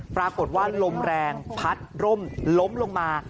ปรากฏว่าลมแรงพัดร่มล้มลงมา